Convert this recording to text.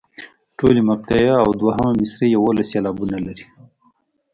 ټولې مقطعې او دوهمه مصرع یوولس سېلابونه لري.